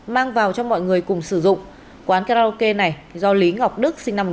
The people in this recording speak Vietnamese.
mang vào cho mọi người cùng sử dụng quán karaoke này do lý ngọc đức sinh năm một nghìn chín trăm tám mươi bốn làm chủ